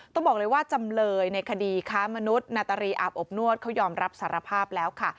ต้องบอกเลยว่าจำเลยในคดีค้ามนุษย์นาตรีอาบอบนวดเขายอมรับสารภาพแล้วค่ะ